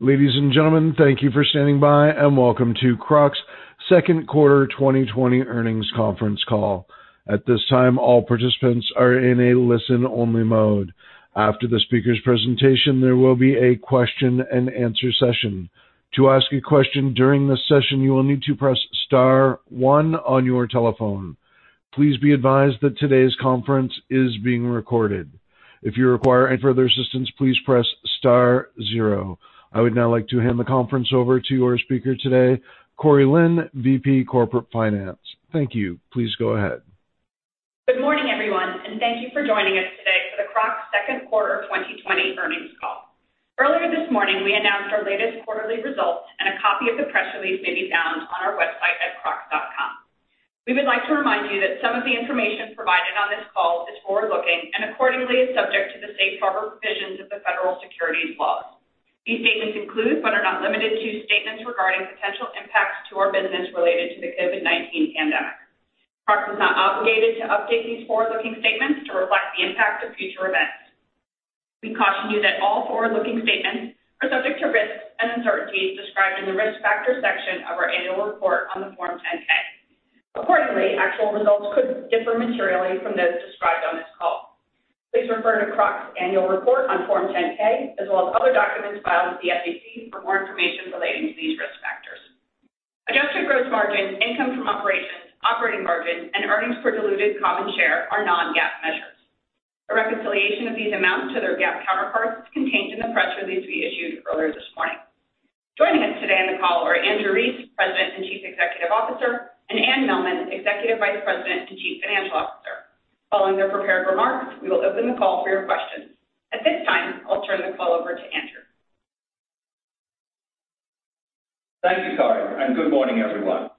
Ladies and gentlemen, thank you for standing by, and welcome to Crocs' Second Quarter 2020 Earnings Conference Call. At this time, all participants are in a listen-only mode. After the speaker's presentation, there will be a question and answer session. To ask a question during this session, you will need to press star one on your telephone. Please be advised that today's conference is being recorded. If you require any further assistance, please press star zero. I would now like to hand the conference over to your speaker today, Cori Lin, VP Corporate Finance. Thank you. Please go ahead. Good morning, everyone, and thank you for joining us today for the Crocs Second Quarter 2020 Earnings Call. Earlier this morning, we announced our latest quarterly results, and a copy of the press release may be found on our website at crocs.com. We would like to remind you that some of the information provided on this call is forward-looking and accordingly is subject to the safe harbor provisions of the federal securities laws. These statements include, but are not limited to, statements regarding potential impacts to our business related to the COVID-19 pandemic. Crocs is not obligated to update these forward-looking statements to reflect the impact of future events. We caution you that all forward-looking statements are subject to risks and uncertainties described in the Risk Factors section of our annual report on the Form 10-K. Accordingly, actual results could differ materially from those described on this call. Please refer to Crocs' annual report on Form 10-K as well as other documents filed with the SEC for more information relating to these risk factors. Adjusted gross margin, income from operations, operating margin, and earnings per diluted common share are non-GAAP measures. A reconciliation of these amounts to their GAAP counterparts is contained in the press release we issued earlier this morning. Joining us today on the call are Andrew Rees, President and Chief Executive Officer, and Anne Mehlman, Executive Vice President and Chief Financial Officer. Following their prepared remarks, we will open the call for your questions. At this time, I'll turn the call over to Andrew. Thank you, Cori, and good morning, everyone.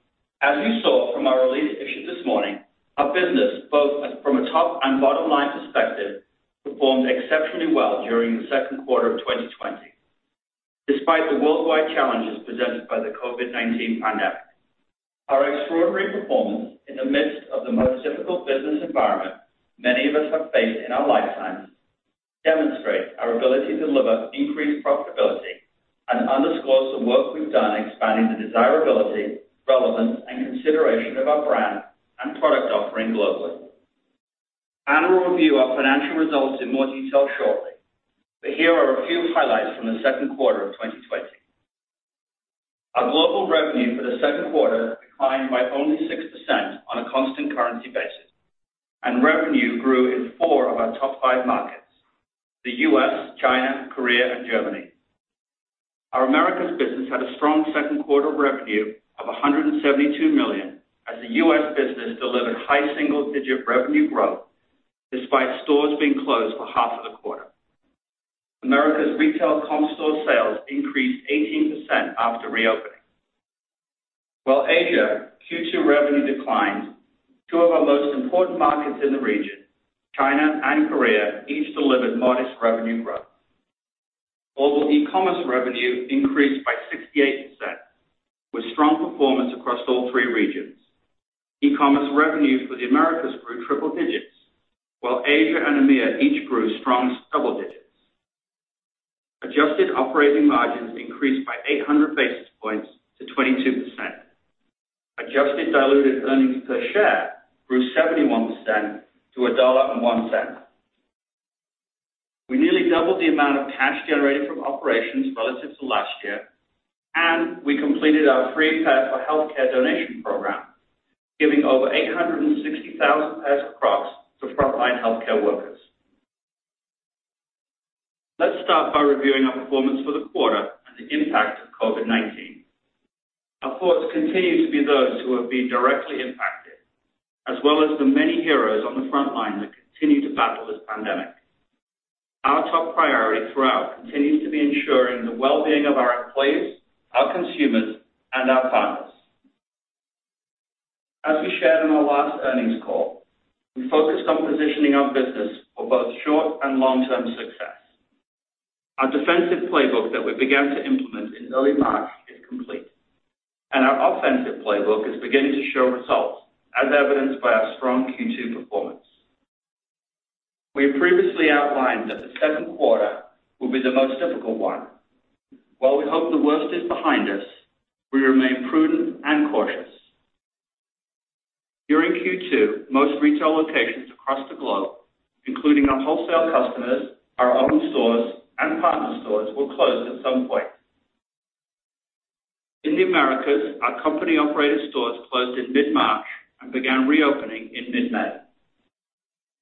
As you saw from our release issued this morning, our business, both from a top and bottom-line perspective, performed exceptionally well during the second quarter of 2020, despite the worldwide challenges presented by the COVID-19 pandemic. Our extraordinary performance in the midst of the most difficult business environment many of us have faced in our lifetimes demonstrate our ability to deliver increased profitability and underscores the work we've done expanding the desirability, relevance, and consideration of our brand and product offering globally. Anne will review our financial results in more detail shortly. Here are a few highlights from the second quarter of 2020. Our global revenue for the second quarter declined by only 6% on a constant currency basis, and revenue grew in four of our top five markets: the U.S., China, Korea, and Germany. Our Americas business had a strong second quarter revenue of $172 million as the U.S. business delivered high single-digit revenue growth despite stores being closed for half of the quarter. Americas retail comp store sales increased 18% after reopening. While Asia Q2 revenue declined, two of our most important markets in the region, China and Korea, each delivered modest revenue growth. Global e-commerce revenue increased by 68%, with strong performance across all three regions. E-commerce revenue for the Americas grew triple digits, while Asia and EMEA each grew strong double digits. Adjusted operating margins increased by 800 basis points to 22%. Adjusted diluted earnings per share grew 71% to $1.01. We nearly doubled the amount of cash generated from operations relative to last year. We completed our Free Pair for Healthcare donation program, giving over 860,000 pairs of Crocs to frontline healthcare workers. Let's start by reviewing our performance for the quarter and the impact of COVID-19. Our thoughts continue to be those who have been directly impacted, as well as the many heroes on the front line that continue to battle this pandemic. Our top priority throughout continues to be ensuring the well-being of our employees, our consumers, and our partners. As we shared on our last earnings call, we focused on positioning our business for both short- and long-term success. Our defensive playbook that we began to implement in early March is complete, and our offensive playbook is beginning to show results, as evidenced by our strong Q2 performance. We previously outlined that the second quarter will be the most difficult one. While we hope the worst is behind us, we remain prudent and cautious. During Q2, most retail locations across the globe, including our wholesale customers, our own stores, and partner stores, were closed at some point. In the Americas, our company-operated stores closed in mid-March and began reopening in mid-May.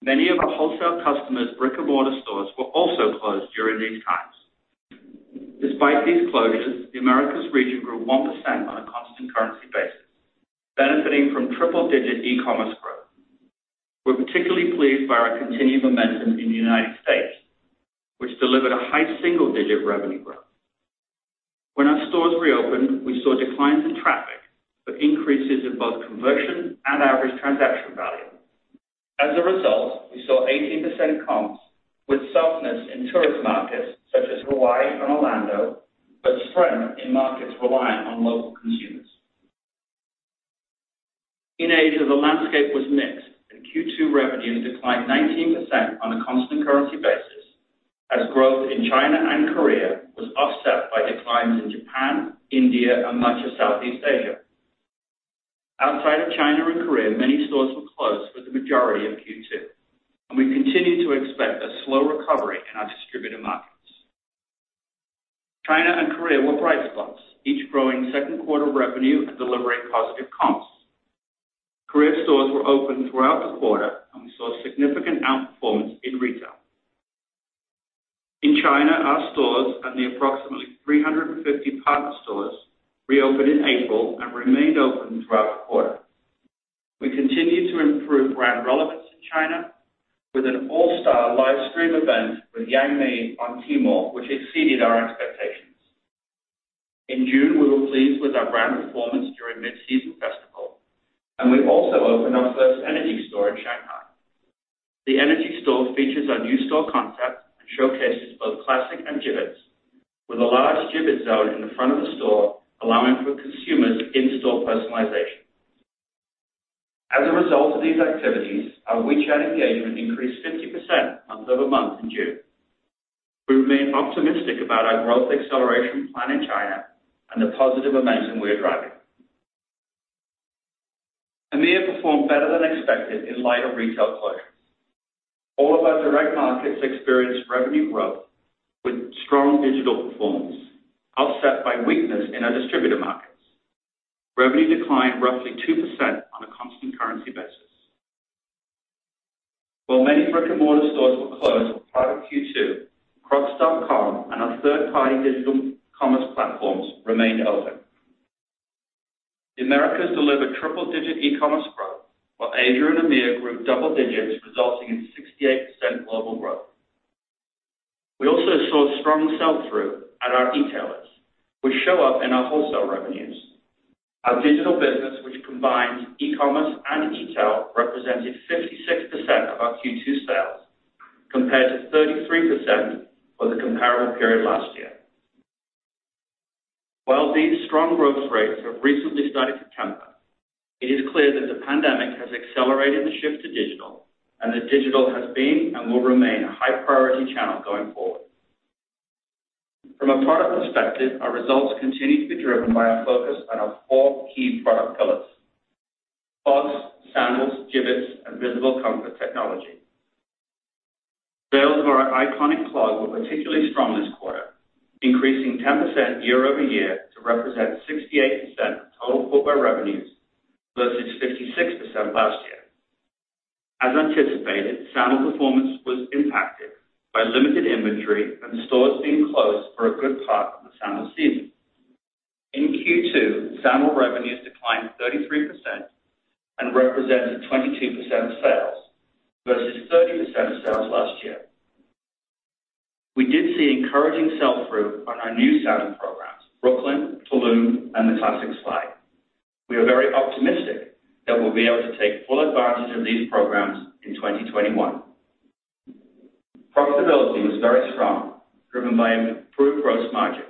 Many of our wholesale customers' brick-and-mortar stores were also closed during these times. Despite these closures, the Americas region grew 1% on a constant currency basis, benefiting from triple-digit e-commerce growth. We're particularly pleased by our continued momentum in the United States, which delivered a high single-digit revenue growth. When our stores reopened, we saw declines in traffic, but increases in both conversion and average transaction value. As a result, we saw 18% comps with softness in tourist markets such as Hawaii and Orlando, but strength in markets reliant on local consumers. In Asia, the landscape was mixed, and Q2 revenues declined 19% on a constant currency basis as growth in China and Korea was offset by declines in Japan, India, and much of Southeast Asia. Outside of China and Korea, many stores were closed for the majority of Q2, and we continue to expect a slow recovery in our distributor markets. China and Korea were bright spots, each growing second quarter revenue and delivering positive comps. Korea stores were open throughout the quarter, and we saw significant outperformance in retail. In China, our stores and the approximately 350 partner stores reopened in April and remained open throughout the quarter. We continued to improve brand relevance in China with an all-star live stream event with Yang Mi on Tmall, which exceeded our expectations. In June, we were pleased with our brand performance during 618 Mid-Year Festival, and we also opened our first Energy store in Shanghai. The Energy store features our new store concept and showcases both Classic and Jibbitz, with a large Jibbitz zone in the front of the store allowing for consumers in-store personalization. As a result of these activities, our WeChat engagement increased 50% month-over-month in June. We remain optimistic about our growth acceleration plan in China and the positive momentum we are driving. EMEA performed better than expected in light of retail closures. All of our direct markets experienced revenue growth with strong digital performance offset by weakness in our distributor markets. Revenue declined roughly 2% on a constant currency basis. While many brick-and-mortar stores were closed for part of Q2, crocs.com and our third-party digital commerce platforms remained open. The Americas delivered triple-digit e-commerce growth, while Asia and EMEA grew double digits, resulting in 68% global growth. We also saw strong sell-through at our e-tailers, which show up in our wholesale revenues. Our digital business, which combines e-commerce and e-tail, represented 56% of our Q2 sales, compared to 33% for the comparable period last year. While these strong growth rates have recently started to temper, it is clear that the pandemic has accelerated the shift to digital and that digital has been and will remain a high-priority channel going forward. From a product perspective, our results continue to be driven by our focus on our four key product pillars: clogs, sandals, Jibbitz, and Visible Comfort Technology. Sales of our iconic clog were particularly strong this quarter, increasing 10% year-over-year to represent 68% of total footwear revenues versus 56% last year. As anticipated, sandal performance was impacted by limited inventory and stores being closed for a good part of the sandal season. In Q2, sandal revenues declined 33% and represented 22% of sales versus 30% of sales last year. We did see encouraging sell-through on our new sandal programs, Brooklyn, Tulum, and the Classic Slide. We are very optimistic that we'll be able to take full advantage of these programs in 2021. Profitability was very strong, driven by an improved gross margin.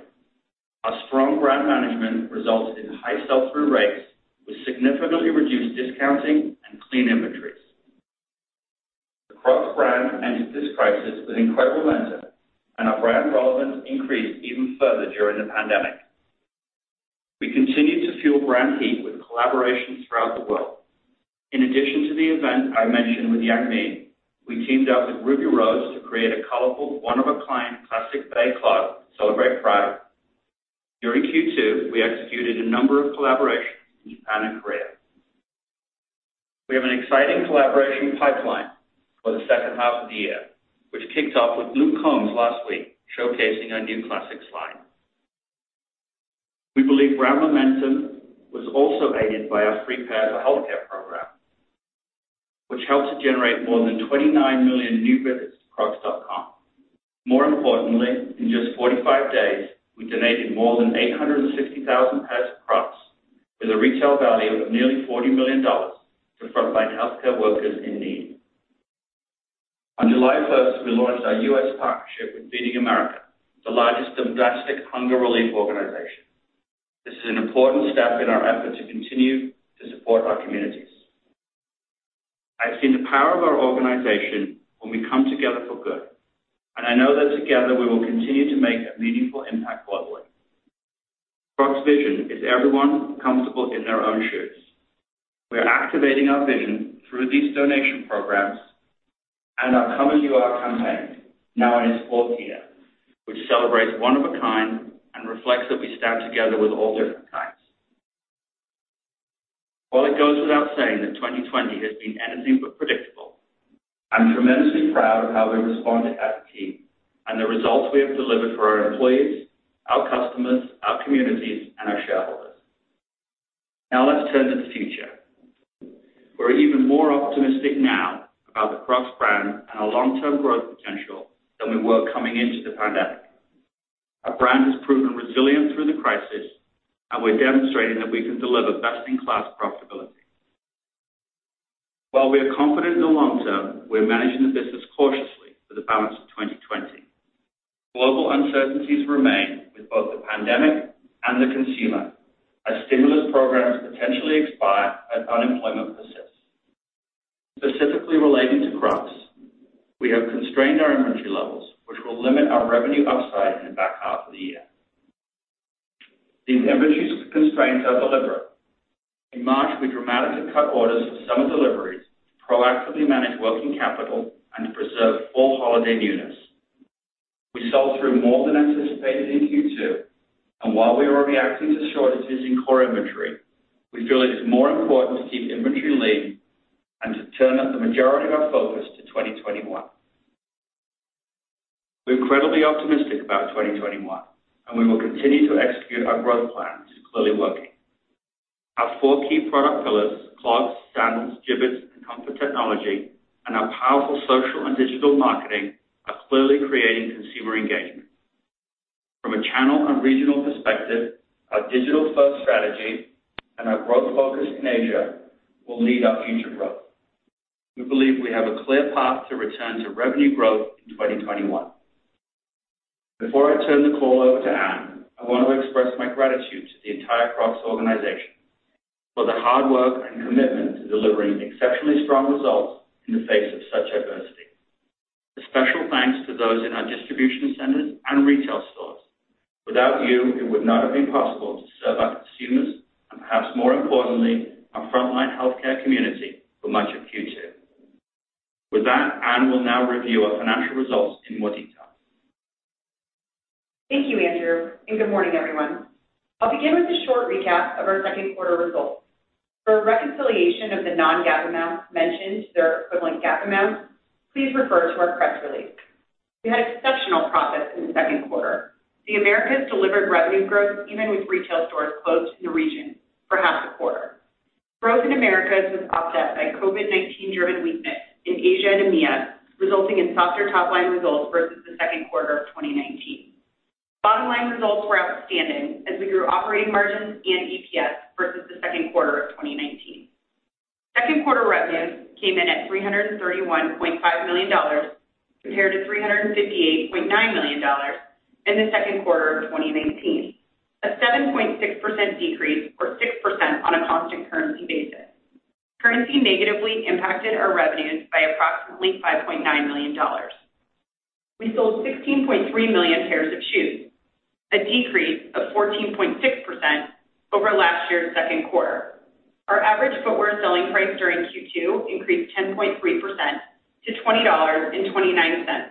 Our strong brand management resulted in high sell-through rates with significantly reduced discounting and clean inventories. The Crocs brand entered this crisis with incredible momentum, and our brand relevance increased even further during the pandemic. We continue to fuel brand heat with collaborations throughout the world. In addition to the event I mentioned with Yang Mi, we teamed up with Ruby Rose to create a colorful, one-of-a-kind Classic Bae Clog to celebrate Pride. During Q2, we executed a number of collaborations in Japan and Korea. We have an exciting collaboration pipeline for the second half of the year, which kicks off with Luke Combs last week, showcasing our new Classic Slide. We believe brand momentum was also aided by our Free Pair for Healthcare program, which helped to generate more than 29 million new visits to crocs.com. More importantly, in just 45 days, we donated more than 860,000 pairs of Crocs with a retail value of nearly $40 million to frontline healthcare workers in need. On July 1st, we launched our U.S. partnership with Feeding America, the largest domestic hunger relief organization. This is an important step in our effort to continue to support our communities. I've seen the power of our organization when we come together for good, and I know that together we will continue to make a meaningful impact globally. Crocs' vision is everyone comfortable in their own shoes. We are activating our vision through these donation programs and our Come As You Are campaign, now in its fourth year, which celebrates one of a kind and reflects that we stand together with all different kinds. While it goes without saying that 2020 has been anything but predictable, I'm tremendously proud of how we responded as a team and the results we have delivered for our employees, our customers, our communities, and our shareholders. Now, let's turn to the future. We're even more optimistic now about the Crocs brand and our long-term growth potential than we were coming into the pandemic. Our brand has proven resilient through the crisis, and we're demonstrating that we can deliver best-in-class profitability. While we are confident in the long term, we are managing the business cautiously for the balance of 2020. Global uncertainties remain with both the pandemic and the consumer as stimulus programs potentially expire and unemployment persists. Specifically relating to Crocs, we have constrained our inventory levels, which will limit our revenue upside in the back half of the year. These inventory constraints are deliberate. In March, we dramatically cut orders for summer deliveries to proactively manage working capital and preserve fall holiday newness. We sold through more than anticipated in Q2, and while we are reacting to shortages in core inventory, we feel it is more important to keep inventory lean and to turn up the majority of our focus to 2021. We're incredibly optimistic about 2021, and we will continue to execute our growth plan, which is clearly working. Our four key product pillars, clogs, sandals, Jibbitz, and comfort technology, and our powerful social and digital marketing are clearly creating consumer engagement. From a channel and regional perspective, our digital-first strategy and our growth focus in Asia will lead our future growth. We believe we have a clear path to return to revenue growth in 2021. Before I turn the call over to Anne, I want to express my gratitude to the entire Crocs organization for the hard work and commitment to delivering exceptionally strong results in the face of such adversity. A special thanks to those in our distribution centers and retail stores. Without you, it would not have been possible to serve our consumers, and perhaps more importantly, our frontline healthcare community for much of Q2. With that, Anne will now review our financial results in more detail. Thank you, Andrew, and good morning, everyone. I'll begin with a short recap of our second quarter results. For a reconciliation of the non-GAAP amounts mentioned to their equivalent GAAP amounts, please refer to our press release. We had exceptional progress in the second quarter. The Americas delivered revenue growth even with retail stores closed in the region for half the quarter. Growth in Americas was offset by COVID-19 driven weakness in Asia and EMEA, resulting in softer top-line results versus the second quarter of 2019. Bottom line results were outstanding as we grew operating margins and EPS versus the second quarter of 2019. Second quarter revenues came in at $331.5 million compared to $358.9 million in the second quarter of 2019, a 7.6% decrease, or 6% on a constant currency basis. Currency negatively impacted our revenues by approximately $5.9 million. We sold 16.3 million pairs of shoes, a decrease of 14.6% over last year's second quarter. Our average footwear selling price during Q2 increased 10.3% to $20.29,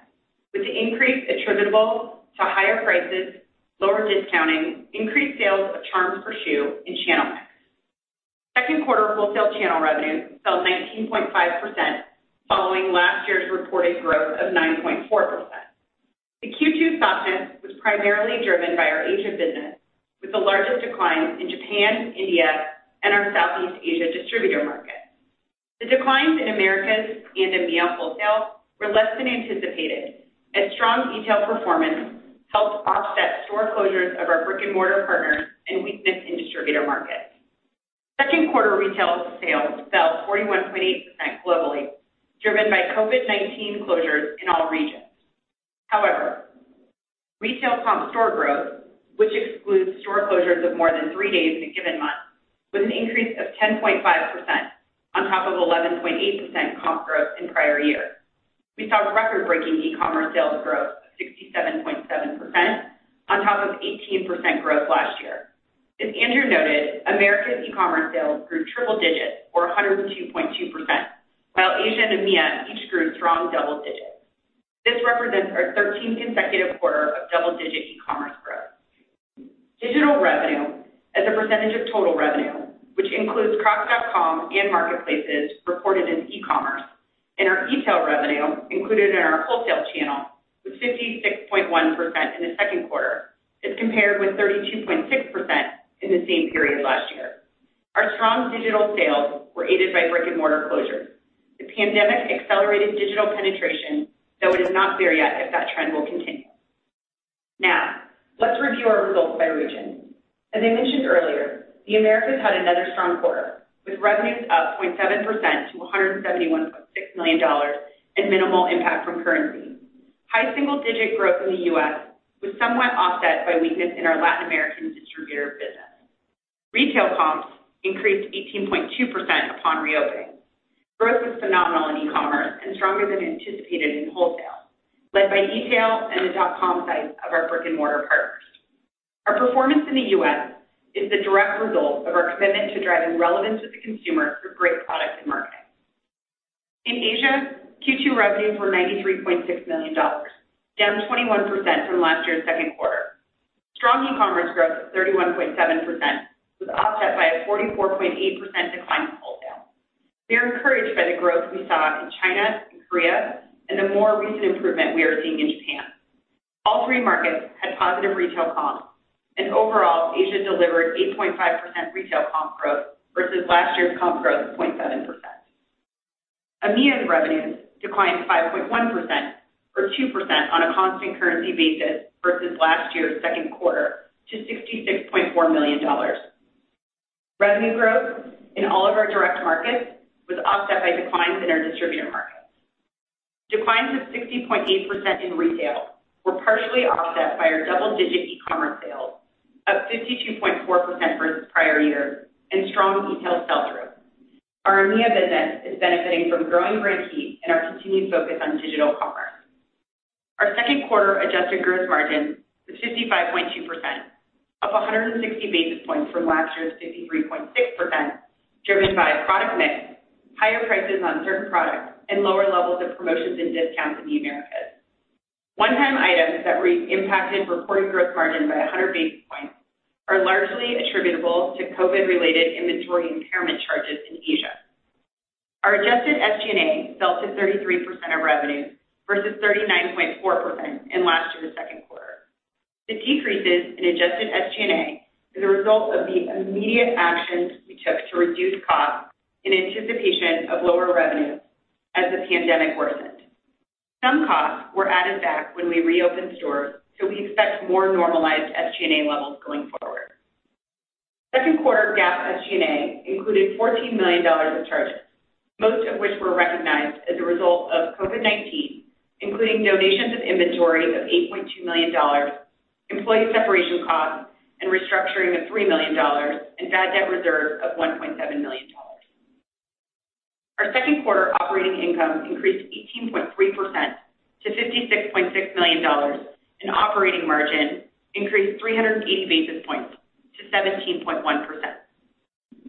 with the increase attributable to higher prices, lower discounting, increased sales of charms per shoe, and channel mix. Second quarter wholesale channel revenues fell 19.5% following last year's reported growth of 9.4%. The Q2 softness was primarily driven by our Asia business, with the largest declines in Japan, India, and our Southeast Asia distributor market. The declines in Americas and EMEA wholesale were less than anticipated, as strong e-tail performance helped offset store closures of our brick-and-mortar partners and weakness in distributor markets. Second quarter retail sales fell 41.8% globally, driven by COVID-19 closures in all regions. Retail comp store growth, which excludes store closures of more than three days in a given month, with an increase of 10.5% on top of 11.8% comp growth in prior year. We saw record-breaking e-commerce sales growth of 67.7% on top of 18% growth last year. As Andrew noted, Americas e-commerce sales grew triple digits, or 102.2%, while Asia and EMEA each grew strong double digits. This represents our 13th consecutive quarter of double-digit e-commerce growth. Digital revenue as a percentage of total revenue, which includes crocs.com and marketplaces reported in e-commerce, and our e-tail revenue included in our wholesale channel was 56.1% in the second quarter as compared with 32.6% in the same period last year. Our strong digital sales were aided by brick-and-mortar closures. The pandemic accelerated digital penetration, though it is not clear yet if that trend will continue. Let's review our results by region. As I mentioned earlier, the Americas had another strong quarter, with revenues up 0.7% to $171.6 million and minimal impact from currency. High single-digit growth in the U.S. was somewhat offset by weakness in our Latin American distributor business. Retail comps increased 18.2% upon reopening. Growth was phenomenal in e-commerce and stronger than anticipated in wholesale, led by e-tail and the .com sites of our brick-and-mortar partners. Our performance in the U.S. is the direct result of our commitment to driving relevance with the consumer through great products and marketing. In Asia, Q2 revenues were $93.6 million, down 21% from last year's second quarter. Strong e-commerce growth of 31.7% was offset by a 44.8% decline in wholesale. We are encouraged by the growth we saw in China and Korea and the more recent improvement we are seeing in Japan. All three markets had positive retail comps. Overall, Asia delivered 8.5% retail comp growth versus last year's comp growth of 0.7%. EMEA's revenues declined 5.1%, or 2% on a constant currency basis versus last year's second quarter to $66.4 million. Revenue growth in all of our direct markets was offset by declines in our distributor markets. Declines of 60.8% in retail were partially offset by our double-digit e-commerce sales, up 52.4% versus prior year, and strong retail sell-through. Our EMEA business is benefiting from growing brand heat and our continued focus on digital commerce. Our second quarter adjusted gross margin was 55.2%, up 160 basis points from last year's 53.6%, driven by product mix, higher prices on certain products, and lower levels of promotions and discounts in the Americas. One-time items that re- impacted reported gross margin by 100 basis points are largely attributable to COVID-related inventory impairment charges in Asia. Our adjusted SG&A fell to 33% of revenue versus 39.4% in last year's second quarter. The decreases in adjusted SG&A are the result of the immediate actions we took to reduce costs in anticipation of lower revenue as the pandemic worsened. Some costs were added back when we reopened stores, so we expect more normalized SG&A levels going forward. Second quarter GAAP SG&A included $14 million of charges, most of which were recognized as a result of COVID-19, including donations of inventory of $8.2 million, employee separation costs, and restructuring of $3 million, and bad debt reserves of $1.7 million. Our second quarter operating income increased 18.3% to $56.6 million, and operating margin increased 380 basis points to 17.1%.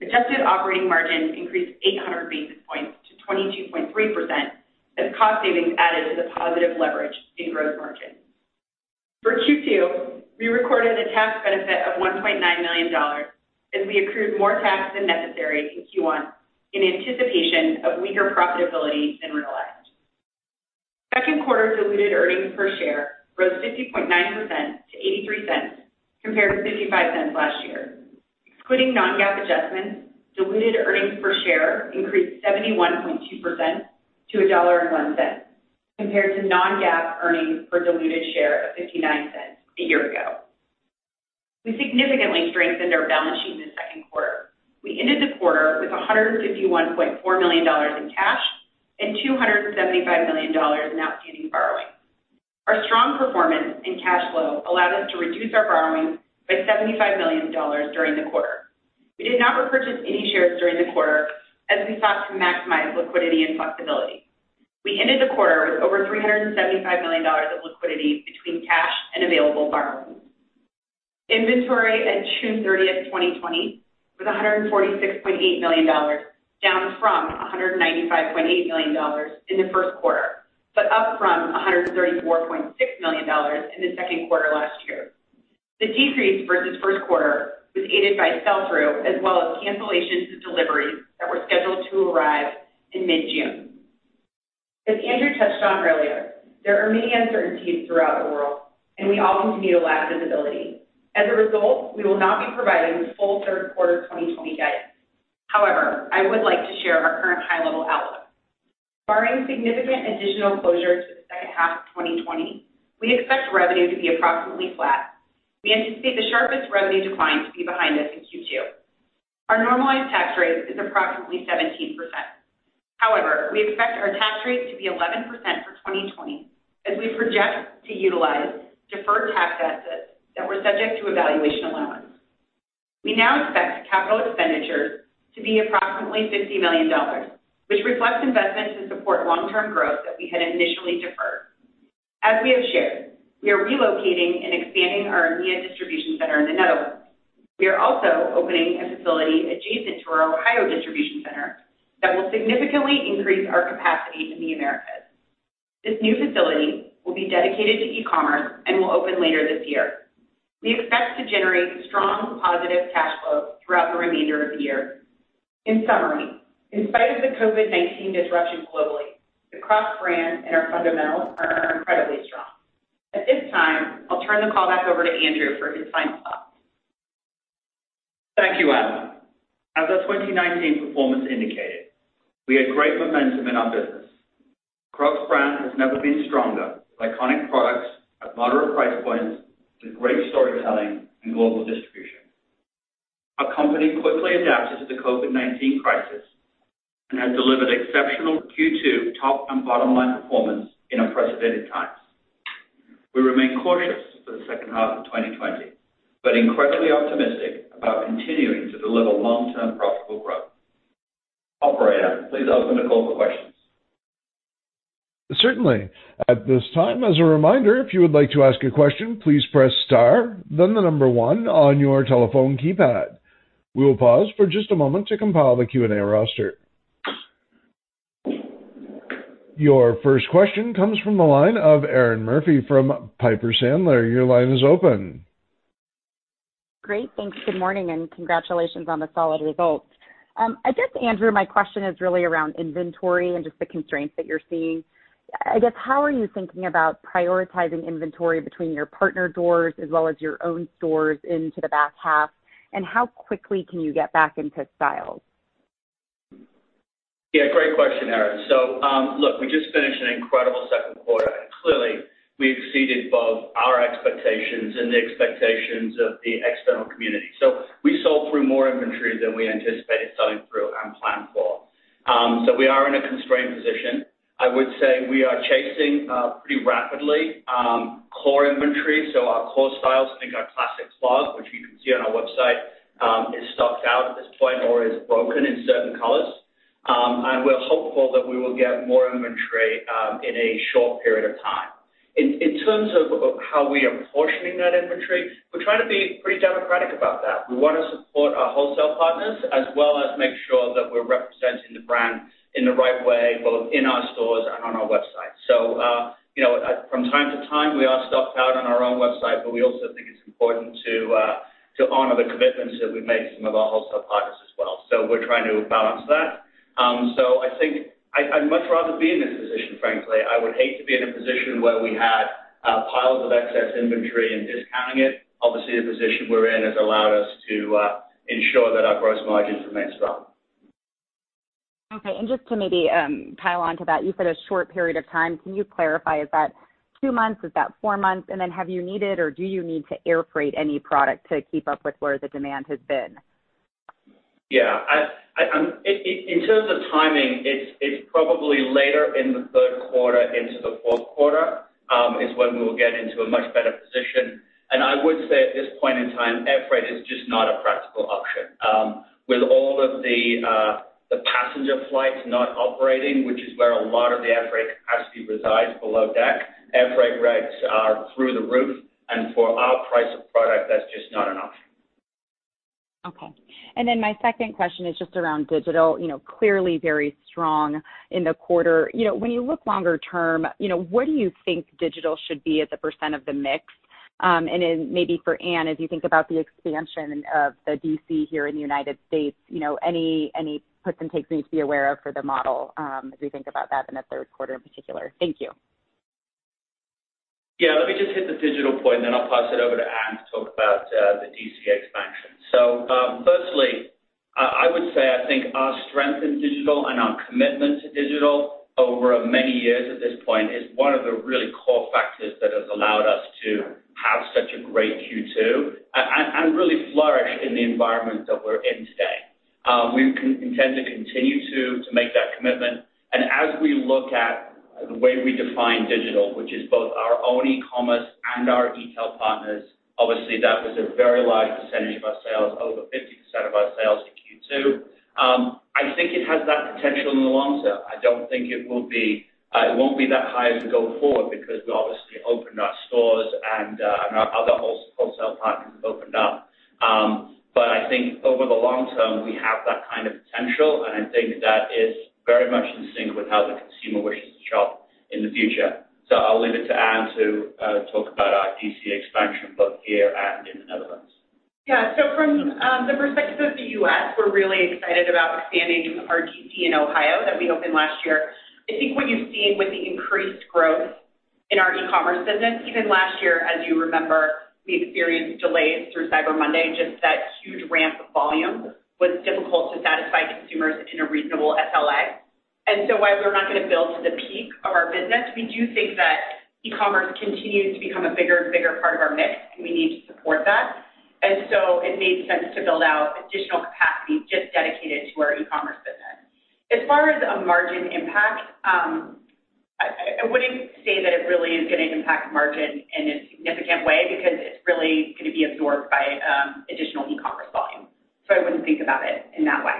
Adjusted operating margin increased 800 basis points to 22.3% as cost savings added to the positive leverage in gross margin. For Q2, we recorded a tax benefit of $1.9 million as we accrued more tax than necessary in Q1 in anticipation of weaker profitability than realized. Second quarter diluted earnings per share rose 50.9% to $0.83 compared to $0.55 last year. Excluding non-GAAP adjustments, diluted earnings per share increased 71.2% to $1.01 compared to non-GAAP earnings per diluted share of $0.59 a year ago. We significantly strengthened our balance sheet in the second quarter. We ended the quarter with $151.4 million in cash and $275 million in outstanding borrowing. Our strong performance and cash flow allowed us to reduce our borrowing by $75 million during the quarter. We did not repurchase any shares during the quarter as we sought to maximize liquidity and flexibility. We ended the quarter with over $375 million of liquidity between cash and available borrowings. Inventory at June 30th, 2020 was $146.8 million, down from $195.8 million in the first quarter, but up from $134.6 million in the second quarter last year. The decrease versus first quarter was aided by sell-through, as well as cancellations of deliveries that were scheduled to arrive in mid-June. As Andrew touched on earlier, there are many uncertainties throughout the world, and we all continue to lack visibility. As a result, we will not be providing full third quarter 2020 guidance. I would like to share our current high-level outlook. Barring significant additional closures in the second half of 2020, we expect revenue to be approximately flat. We anticipate the sharpest revenue decline to be behind us in Q2. Our normalized tax rate is approximately 17%. However, we expect our tax rate to be 11% for 2020 as we project to utilize deferred tax assets that were subject to a valuation allowance. We now expect capital expenditures to be approximately $50 million, which reflects investments to support long-term growth that we had initially deferred. As we have shared, we are relocating and expanding our EMEA distribution center in the Netherlands. We are also opening a facility adjacent to our Ohio Distribution Center that will significantly increase our capacity in the Americas. This new facility will be dedicated to e-commerce and will open later this year. We expect to generate strong positive cash flow throughout the remainder of the year. In summary, in spite of the COVID-19 disruption globally, the Crocs brand and our fundamentals are incredibly strong. At this time, I'll turn the call back over to Andrew for his final thoughts. Thank you, Anne. As our 2019 performance indicated, we had great momentum in our business. Crocs brand has never been stronger with iconic products at moderate price points, with great storytelling and global distribution. Our company quickly adapted to the COVID-19 crisis and has delivered exceptional Q2 top and bottom line performance in unprecedented times. We remain cautious for the second half of 2020, but incredibly optimistic about continuing to deliver long-term profitable growth. Operator, please open the call for questions. Certainly. At this time, as a reminder, if you would like to ask a question, please press star, then the number 1 on your telephone keypad. We will pause for just a moment to compile the Q&A roster. Your first question comes from the line of Erinn Murphy from Piper Sandler. Your line is open. Great. Thanks. Good morning. Congratulations on the solid results. I guess, Andrew, my question is really around inventory and just the constraints that you're seeing. I guess, how are you thinking about prioritizing inventory between your partner doors as well as your own stores into the back half, and how quickly can you get back into styles? Yeah. Great question, Erinn. Look, we just finished an incredible second quarter, and clearly we exceeded both our expectations and the expectations of the external community. We sold through more inventory than we anticipated selling through and planned for. We are in a constrained position. I would say we are chasing pretty rapidly core inventory. Our core styles, think our Classic Clog, which you can see on crocs.com, is stocked out at this point or is broken in certain colors. We're hopeful that we will get more inventory in a short period of time. In terms of how we are portioning that inventory, we're trying to be pretty democratic about that. We want to support our wholesale partners as well as make sure that we're representing the brand in the right way, both in our stores and on crocs.com. From time to time, we are stocked out on our own website, but we also think it's important to honor the commitments that we've made to some of our wholesale partners as well. We're trying to balance that. I think I'd much rather be in this position, frankly. I would hate to be in a position where we had piles of excess inventory and discounting it. Obviously, the position we're in has allowed us to ensure that our gross margins remain strong. Okay, just to maybe pile on to that, you said a short period of time. Can you clarify, is that two months? Is that four months? Have you needed, or do you need to air freight any product to keep up with where the demand has been? Yeah. In terms of timing, it's probably later in the third quarter into the fourth quarter is when we will get into a much better position. I would say at this point in time, air freight is just not a practical option. With all of the passenger flights not operating, which is where a lot of the air freight capacity resides below deck, air freight rates are through the roof. For our price of product, that's just not an option. Okay. My second question is just around digital. Clearly very strong in the quarter. When you look longer term, what do you think digital should be as a percent of the mix? Maybe for Anne, as you think about the expansion of the DC here in the U.S., any puts and takes we need to be aware of for the model as we think about that in the third quarter in particular? Thank you. Yeah, let me just hit the digital point, and then I'll pass it over to Anne to talk about the DC expansion. Firstly, I would say I think our strength in digital and our commitment to digital over many years at this point is one of the really core factors that has allowed us to have such a great Q2 and really flourish in the environment that we're in today. We intend to continue to make that commitment, and as we look at the way we define digital, which is both our own e-commerce and our e-tail partners, obviously that was a very large percentage of our sales, over 50% of our sales in Q2. I think it has that potential in the long term. I don't think it will be that high as we go forward because we obviously opened our stores, and our other wholesale partners have opened up. I think over the long term, we have that kind of potential, and I think that is very much in sync with how the consumer wishes to shop in the future. I'll leave it to Anne to talk about our DC expansion, both here and in the Netherlands. From the perspective of the U.S., we're really excited about expanding our DC in Ohio that we opened last year. I think what you've seen with the increased growth in our e-commerce business, even last year, as you remember, we experienced delays through Cyber Monday, just that huge ramp of volume was difficult to satisfy consumers in a reasonable SLA. While we're not going to build to the peak of our business, we do think that e-commerce continues to become a bigger and bigger part of our mix, and we need to support that. It made sense to build out additional capacity just dedicated to our e-commerce business. As far as a margin impact, I wouldn't say that it really is going to impact margin in a significant way because it's really going to be absorbed by additional e-commerce volume. I wouldn't think about it in that way.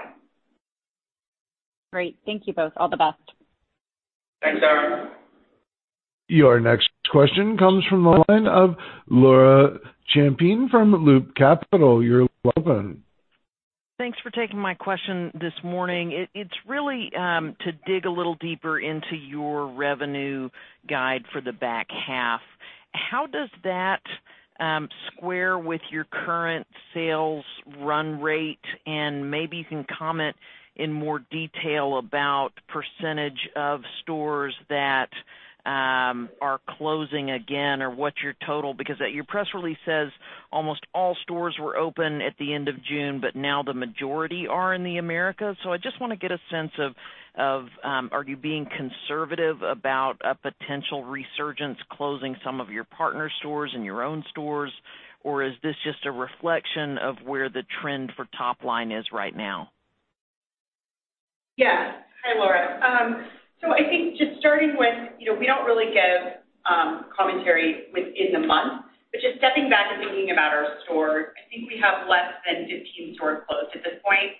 Great. Thank you both. All the best. Thanks, Erinn. Your next question comes from the line of Laura Champine from Loop Capital. You're welcome. Thanks for taking my question this morning. It's really to dig a little deeper into your revenue guide for the back half. How does that square with your current sales run rate? Maybe you can comment in more detail about percentage of stores that are closing again, or what's your total, because your press release says almost all stores were open at the end of June, but now the majority are in the Americas. I just want to get a sense of, are you being conservative about a potential resurgence closing some of your partner stores and your own stores, or is this just a reflection of where the trend for top line is right now? Yeah. Hi, Laura. I think just starting with, we don't really give commentary within the month, but just stepping back and thinking about our stores, I think we have less than 15 stores closed at this point.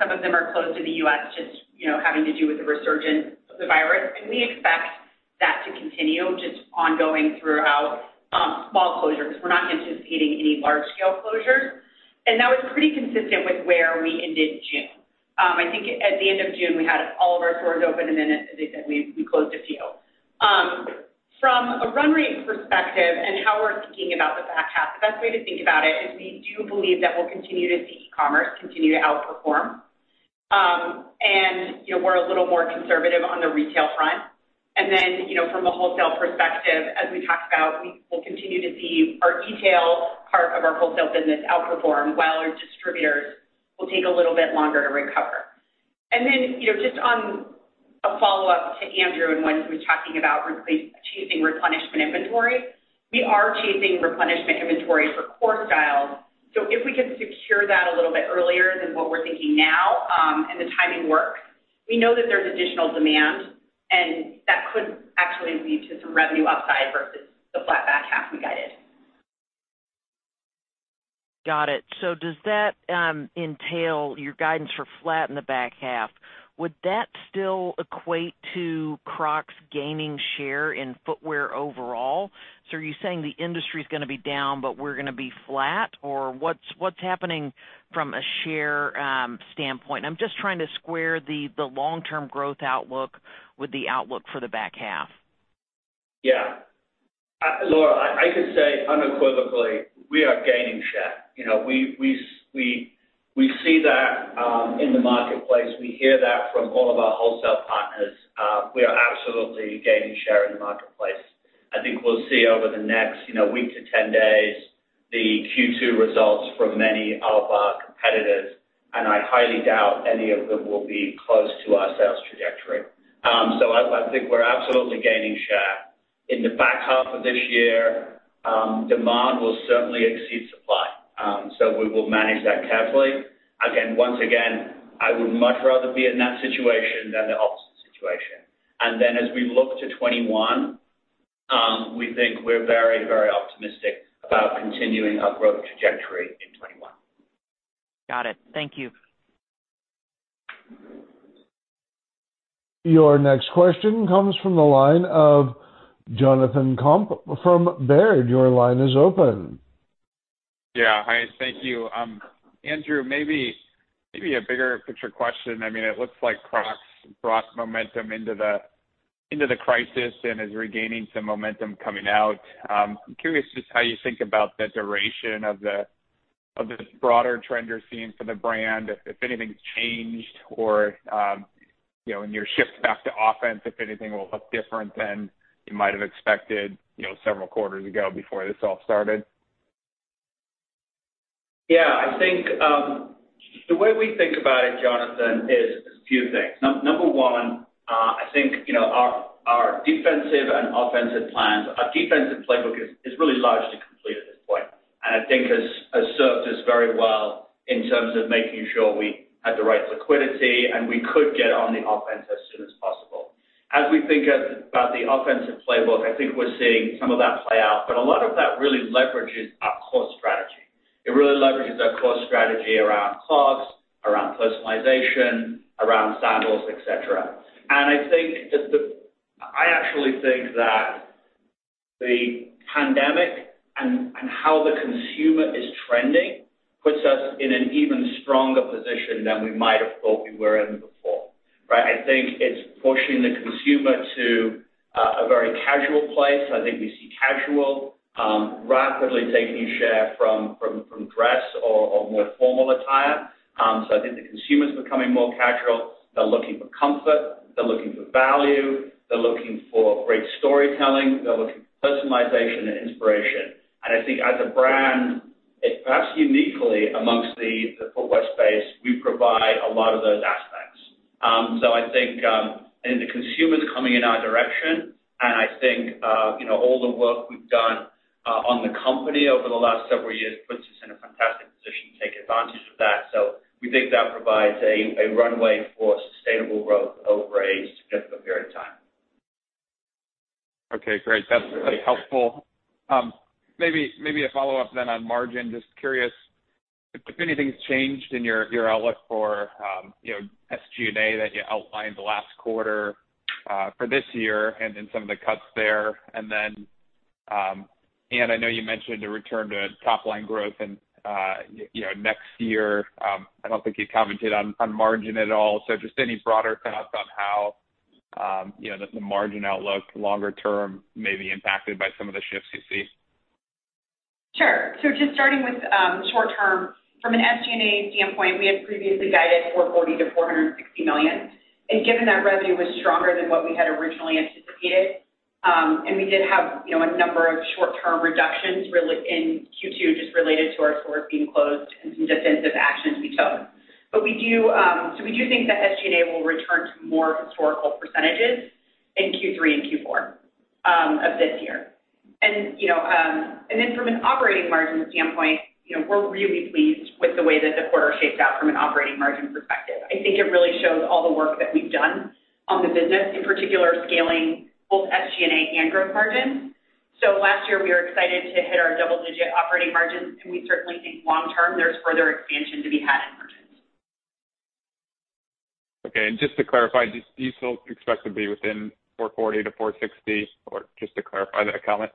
Some of them are closed in the U.S., just having to do with the resurgence of the virus, and we expect that to continue just ongoing throughout small closures. We're not anticipating any large-scale closures. That was pretty consistent with where we ended June. I think at the end of June, we had all of our stores open, and then as I said, we closed a few. A run rate perspective and how we're thinking about the back half. The best way to think about it is we do believe that we'll continue to see e-commerce continue to outperform. We're a little more conservative on the retail front. From a wholesale perspective, as we talked about, we will continue to see our detail part of our wholesale business outperform, while our distributors will take a little bit longer to recover. Just on a follow-up to Andrew and when he was talking about achieving replenishment inventory. We are chasing replenishment inventories for core styles. If we can secure that a little bit earlier than what we're thinking now, and the timing work, we know that there's additional demand, and that could actually lead to some revenue upside versus the flat back half we guided. Got it. Does that entail your guidance for flat in the back half? Would that still equate to Crocs gaining share in footwear overall? Are you saying the industry's going to be down, but we're going to be flat? Or what's happening from a share standpoint? I'm just trying to square the long-term growth outlook with the outlook for the back half. Laura, I can say unequivocally, we are gaining share. We see that in the marketplace. We hear that from all of our wholesale partners. We are absolutely gaining share in the marketplace. I think we'll see over the next week to 10 days the Q2 results from many of our competitors, and I highly doubt any of them will be close to our sales trajectory. I think we're absolutely gaining share. In the back half of this year, demand will certainly exceed supply. We will manage that carefully. Again, once again, I would much rather be in that situation than the opposite situation. As we look to 2021, we think we're very, very optimistic about continuing our growth trajectory in 2021. Got it. Thank you. Your next question comes from the line of Jonathan Komp from Baird. Your line is open. Yeah. Hi. Thank you. Andrew, maybe a bigger picture question. It looks like Crocs brought momentum into the crisis and is regaining some momentum coming out. I'm curious just how you think about the duration of this broader trend you're seeing for the brand, if anything's changed or in your shift back to offense, if anything will look different than you might have expected several quarters ago before this all started. Yeah. I think the way we think about it, Jonathan, is a few things. Number one, I think our defensive and offensive plans, our defensive playbook is really largely complete at this point and I think has served us very well in terms of making sure we had the right liquidity, and we could get on the offense as soon as possible. As we think about the offensive playbook, I think we're seeing some of that play out, but a lot of that really leverages our core strategy. It really leverages our core strategy around clogs, around personalization, around sandals, et cetera. I actually think that the pandemic and how the consumer is trending puts us in an even stronger position than we might have thought we were in before, right? I think it's pushing the consumer to a very casual place. I think we see casual rapidly taking share from dress or more formal attire. I think the consumer's becoming more casual. They're looking for comfort. They're looking for value. They're looking for great storytelling. They're looking for personalization and inspiration. I think as a brand, perhaps uniquely amongst the footwear space, we provide a lot of those aspects. I think the consumer's coming in our direction, and I think all the work we've done on the company over the last several years puts us in a fantastic position to take advantage of that. We think that provides a runway for sustainable growth over a significant period of time. Okay, great. That's really helpful. Maybe a follow-up then on margin. Just curious if anything's changed in your outlook for SG&A that you outlined the last quarter for this year, and then some of the cuts there. Then Anne, I know you mentioned a return to top-line growth next year. I don't think you commented on margin at all. Just any broader thoughts on how the margin outlook longer term may be impacted by some of the shifts you see? Sure. Just starting with short term, from an SG&A standpoint, we had previously guided $440 million-$460 million. Given that revenue was stronger than what we had originally anticipated, we did have a number of short-term reductions in Q2 just related to our stores being closed and some defensive actions we took. We do think that SG&A will return to more historical percentages in Q3 and Q4 of this year. From an operating margin standpoint, we're really pleased with the way that the quarter shaped out from an operating margin perspective. I think it really shows all the work that we've done on the business, in particular scaling both SG&A and gross margin. Last year, we were excited to hit our double-digit operating margins, and we certainly think long term, there's further expansion to be had in margins. Okay, just to clarify, do you still expect to be within $440-$460? Just to clarify that comment.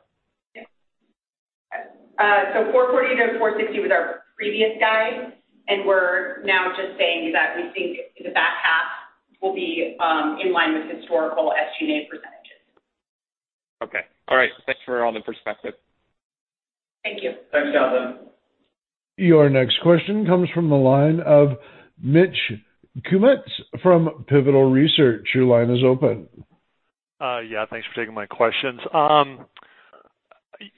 $440-$460 was our previous guide, and we're now just saying that we think the back half will be in line with historical SG&A percent. Okay. All right. Thanks for all the perspective. Thank you. Thanks, Jonathan. Your next question comes from the line of Mitch Kummetz from Pivotal Research. Your line is open. Yeah, thanks for taking my questions.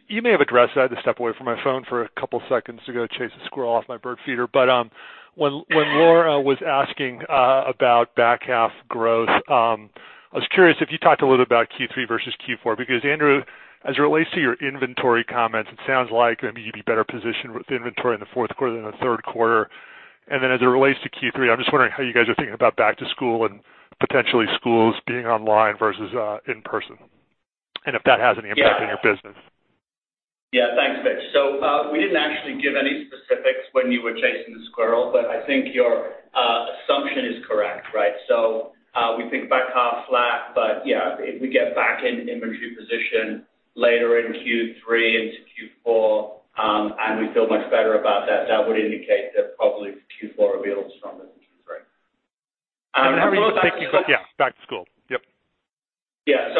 You may have addressed, I had to step away from my phone for a couple seconds to go chase a squirrel off my bird feeder, but when Laura was asking about back half growth, I was curious if you talked a little about Q3 versus Q4 because Andrew, as it relates to your inventory comments, it sounds like you'd be better positioned with inventory in the fourth quarter than the third quarter. Then as it relates to Q3, I'm just wondering how you guys are thinking about back to school and potentially schools being online versus in person, and if that has any impact in your business. Yeah. Thanks, Mitch. We didn't actually give any specifics when you were chasing the squirrel, I think your assumption is correct. Right? We think back half flat, yeah, if we get back in inventory position later in Q3 into Q4, we feel much better about that would indicate that probably Q4 will be a little stronger than Q3. How are you thinking about, yeah, back to school? Yep. Yeah.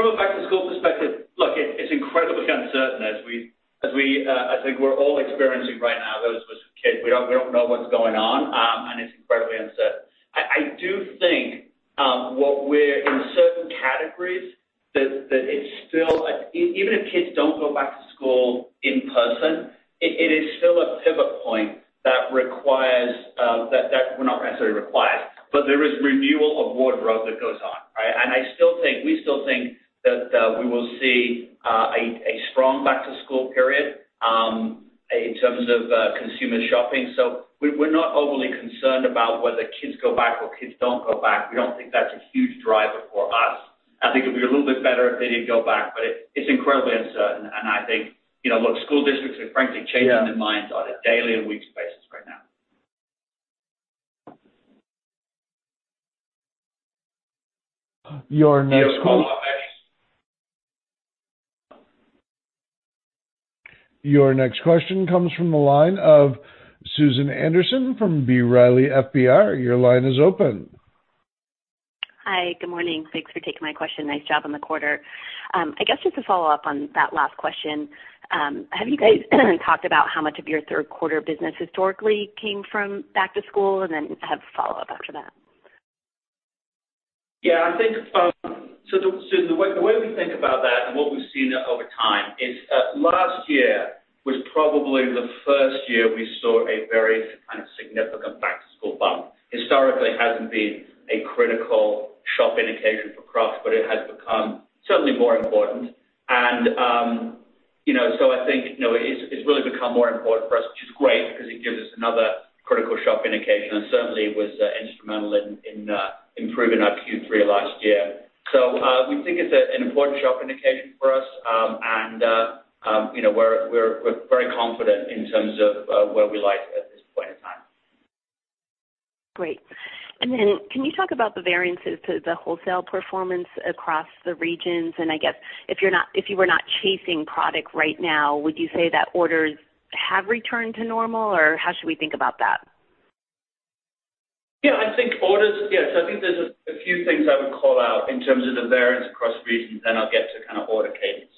From a back to school perspective, look, it's incredibly uncertain as I think we're all experiencing right now, those of us with kids. We don't know what's going on, and it's incredibly uncertain. I do think in certain categories that it's still, even if kids don't go back to school in person, it is still a pivot point that requires Well, not necessarily requires, but there is renewal of wardrobe that goes on, right? We still think that we will see a strong back to school period in terms of consumer shopping. We're not overly concerned about whether kids go back or kids don't go back. We don't think that's a huge driver for us. I think it'd be a little bit better if they did go back, but it's incredibly uncertain. I think, look, school districts are frankly changing their minds on a daily and weeks basis right now. Your next call. You want to follow up, Mitch? Your next question comes from the line of Susan Anderson from B. Riley FBR. Your line is open. Hi. Good morning. Thanks for taking my question. Nice job on the quarter. I guess just to follow up on that last question, have you guys talked about how much of your third quarter business historically came from back to school? I have a follow-up after that. Susan, the way we think about that and what we've seen over time is, last year was probably the first year we saw a very kind of significant back to school bump. Historically, it hasn't been a critical shop indication for Crocs. It has become certainly more important. I think it's really become more important for us, which is great because it gives us another critical shop indication and certainly was instrumental in improving our Q3 last year. We think it's an important shop indication for us. We're very confident in terms of where we lie at this point in time. Great. Can you talk about the variances to the wholesale performance across the regions? I guess if you were not chasing product right now, would you say that orders have returned to normal, or how should we think about that? I think there's a few things I would call out in terms of the variance across regions, then I'll get to kind of order cadence.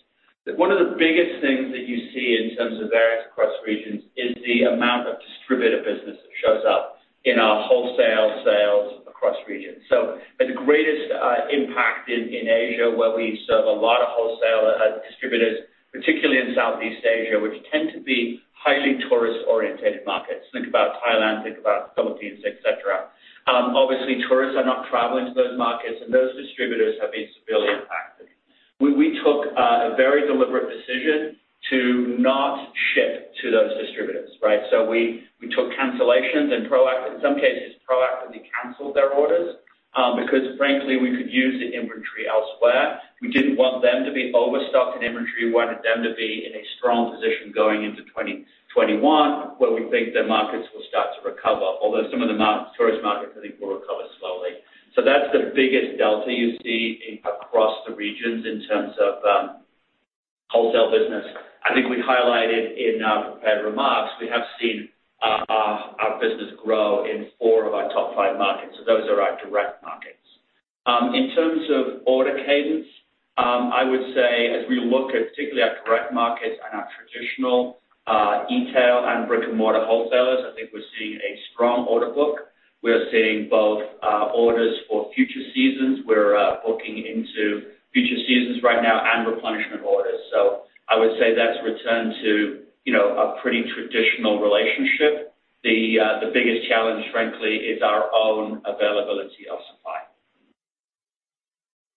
One of the biggest things that you see in terms of variance across regions is the amount of distributor business that shows up in our wholesale sales across regions. Had the greatest impact in Asia, where we serve a lot of wholesale distributors, particularly in Southeast Asia, which tend to be highly tourist-orientated markets. Think about Thailand, think about Philippines, et cetera. Obviously, tourists are not traveling to those markets, and those distributors have been severely impacted. We took a very deliberate decision to not ship to those distributors, right? We took cancellations and in some cases, proactively canceled their orders, because frankly, we could use the inventory elsewhere. We didn't want them to be overstocked in inventory. We wanted them to be in a strong position going into 2021, where we think the markets will start to recover. Some of the tourist markets, I think will recover slowly. That's the biggest delta you see across the regions in terms of wholesale business. I think we highlighted in our prepared remarks, we have seen our business grow in four of our top five markets. Those are our direct markets. In terms of order cadence, I would say as we look at particularly our direct markets and our traditional e-tail and brick and mortar wholesalers, I think we're seeing a strong order book. We are seeing both orders for future seasons. We're booking into future seasons right now and replenishment orders. I would say that's returned to a pretty traditional relationship. The biggest challenge, frankly, is our own availability of supply.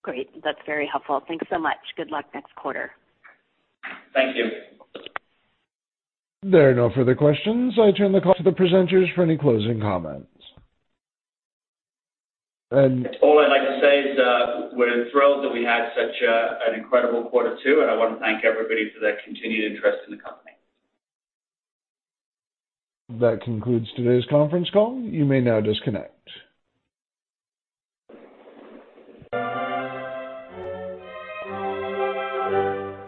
Great. That's very helpful. Thanks so much. Good luck next quarter. Thank you. There are no further questions. I turn the call to the presenters for any closing comments. All I'd like to say is, we're thrilled that we had such an incredible Quarter two, and I want to thank everybody for their continued interest in the company. That concludes today's conference call. You may now disconnect.